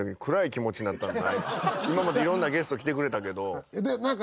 今までいろんなゲスト来てくれたけど。